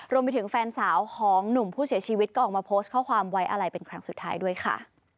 รวมไปถึงแฟนสาวของหนุ่มผู้เสียชีวิตก็ออกมาโพสต์ข้อความไว้อะไรเป็นครั้งสุดท้ายด้วยค่ะ